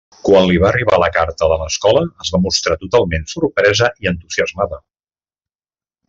Quan li va arribar la carta de l'escola es va mostrar totalment sorpresa i entusiasmada.